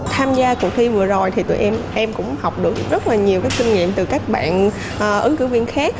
tham gia cuộc thi vừa rồi thì tụi em cũng học được rất là nhiều kinh nghiệm từ các bạn ứng cử viên khác